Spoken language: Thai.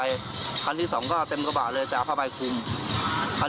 วันนั้นพ่อผมยังบอกไม่ถ่ายว่ามันขนของ